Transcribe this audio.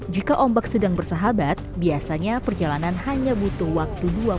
jika ombak sedang bersahabat biasanya perjalanan hanya butuh waktu dua menit